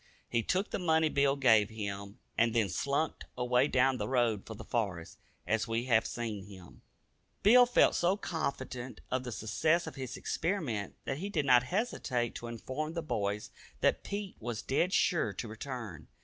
He took the money Bill gave him, and then slunk away down the road for the forest, as we have seen him. Bill felt so confident of the success of his experiment that he did not hesitate to inform the boys that Pete was "dead sure" to return.